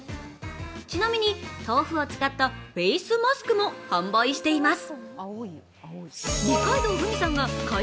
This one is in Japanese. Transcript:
ちなみに豆腐を使ったフェイスマスクも販売しています。